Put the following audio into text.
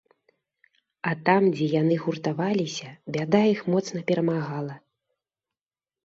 А там, дзе яны гуртаваліся, бяда іх моцна перамагала.